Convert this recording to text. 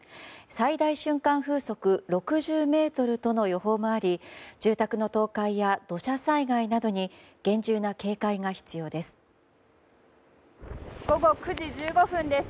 最大瞬間風速６０メートルとの予報もあり住宅の倒壊や土砂災害などに厳重な警戒が必要です。